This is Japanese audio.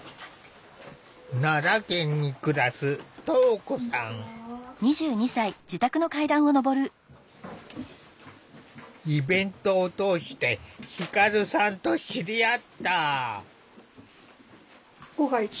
奈良県に暮らすイベントを通して輝さんと知り合った。